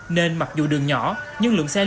nên mặc dù đường nhỏ nhưng lượng xe hỗn hợp rất là lớn